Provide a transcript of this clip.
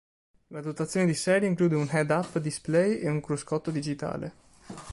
La dotazione di serie include un head-up display e un cruscotto digitale.